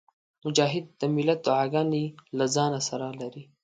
مجاهد د ملت دعاګانې له ځانه سره لري.